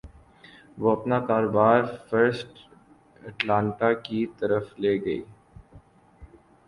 وہ اپنا کاروبار فرسٹ اٹلانٹا کی طرف لے گئی